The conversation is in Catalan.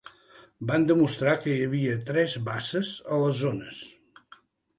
Van demostrar que hi havia tres basses a les zones.